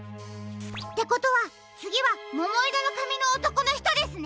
ってことはつぎはももいろのかみのおとこのひとですね！